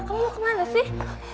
bella kemana sih